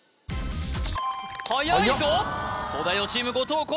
はやいぞ東大王チーム後藤弘